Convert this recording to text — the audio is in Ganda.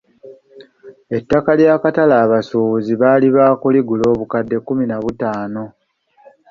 Ettaka ly'akatale abasuubuzi baali baakuligula obukadde ebikumi bitaano.